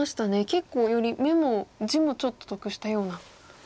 結構より眼も地もちょっと得したような。